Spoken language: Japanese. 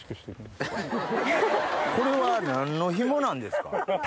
これは何の紐なんですか？